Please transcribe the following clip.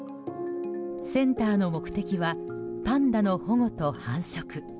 センターの目的はパンダの保護と繁殖。